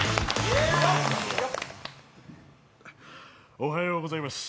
おはようございます。